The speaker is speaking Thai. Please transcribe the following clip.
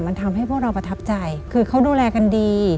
มันทำให้พวกเราประทับใจคือเขาดูแลกันดี